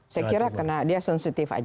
saya kira karena dia sensitif